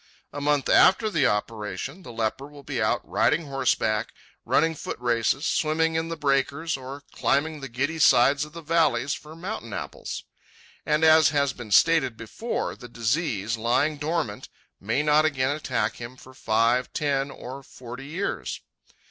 A month after the operation the leper will be out riding horseback, running foot races, swimming in the breakers, or climbing the giddy sides of the valleys for mountain apples. And as has been stated before, the disease, lying dormant, may not again attack him for five, ten, or forty years.